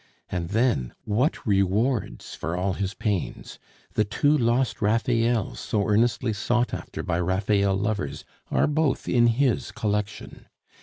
And then, what rewards for all his pains! The two lost Raphaels so earnestly sought after by Raphael lovers are both in his collection.